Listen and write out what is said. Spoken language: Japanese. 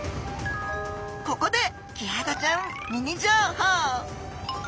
ここでキハダちゃんミニ情報！